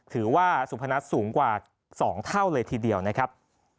ถือว่าสุพนัทสูงกว่า๒เท่าเลยทีเดียวนะครับ